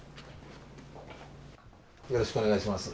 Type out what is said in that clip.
よろしくお願いします。